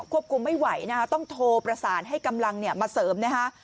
คุมไม่ไหวนะฮะต้องโทรประสานให้กำลังมาเสริมนะฮะ